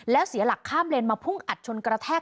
แล้วเสียหลักข้ามเลนมาพุ่งอัดชนกระแทก